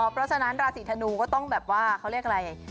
เพราะฉะนั้นราศีธนูก็ต้องแบบว่าเขาเรียกอะไร